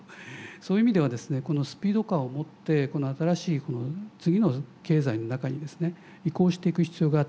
そういう意味ではですねスピード感を持って新しい次の経済の中にですね移行していく必要があって。